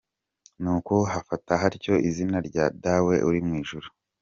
Nuko hafata haryo izina rya ‘Dawe uri mu ijuru’.